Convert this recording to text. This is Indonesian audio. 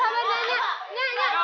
apalagi tuh si kudanya